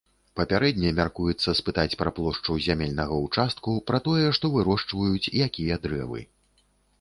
Папярэдне мяркуецца спытаць пра плошчу зямельнага ўчастку, пра тое, што вырошчваюць, якія дрэвы.